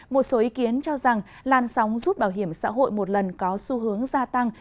một số ý kiến cho rằng làn sóng rút bảo hiểm xã hội một lần có xu hướng gia tăng